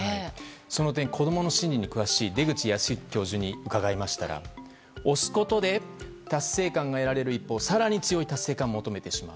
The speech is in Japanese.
その点、子供の心理に詳しい出口保行教授に伺いましたら推すことで達成感が得られる一方更に強い達成感を求めてしまう。